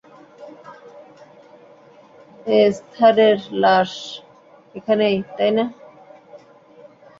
এস্থারের লাশ এখানেই, তাই না?